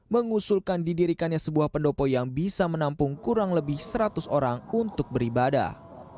mengusulkan didirikannya sebuah pendopo yang bisa menampung kurang lebih seratus orang untuk beribadah